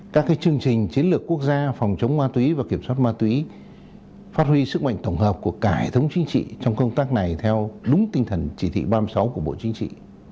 các chương trình chiến lược quốc gia phòng chống ma túy và kiểm soát ma túy phát huy sức mạnh tổng hợp của cả hệ thống chính trị trong công tác này theo đúng tinh thần chỉ thị ba mươi sáu của bộ chính trị